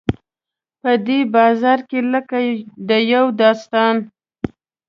په دې بازار کې لکه د یو داستان.